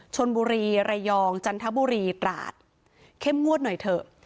ชนบุรีระยองจันทบุรีตราดเข้มงวดหน่อยเถอะ